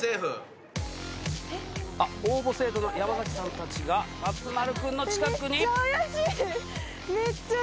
あっ応募生徒の山崎さんたちが松丸君の近くに。